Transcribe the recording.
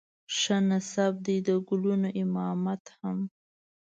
شه نصيب دې د ګلونو امامت هم